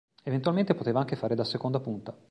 Eventualmente poteva anche fare da seconda punta.